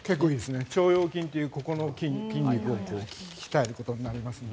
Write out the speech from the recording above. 腸腰筋という筋肉を鍛えることになりますので。